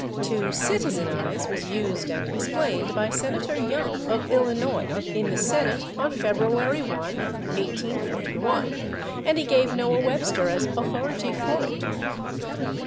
/To citizenize/ was used and explained by Senator Young, of Illinois, in the Senate on February 1, 1841, and he gave Noah Webster as authority for it.